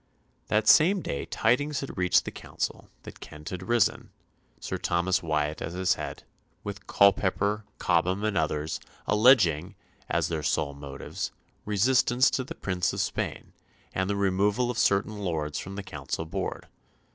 That same day tidings had reached the Council that Kent had risen, Sir Thomas Wyatt at its head, with Culpepper, Cobham, and others, alleging, as their sole motives, resistance to the Prince of Spain, and the removal of certain lords from the Council Board.